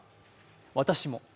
私も！